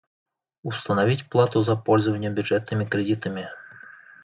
Установить плату за пользование бюджетными кредитами: